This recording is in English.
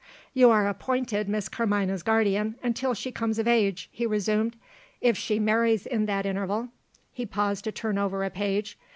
"You are appointed Miss Carmina's guardian, until she comes of age," he resumed. "If she marries in that interval " He paused to turn over a page.